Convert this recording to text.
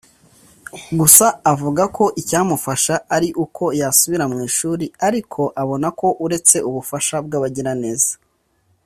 Gusa avuga ko icyamufasha ari uko yasubira mu ishuri ariko abona ko uretse ubufasha bw’abagiraneza